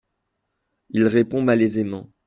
Il répond malaisément.